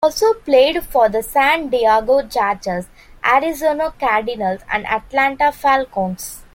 He also played for the San Diego Chargers, Arizona Cardinals and Atlanta Falcons.